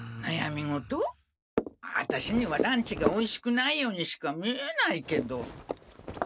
アタシにはランチがおいしくないようにしか見えないけど。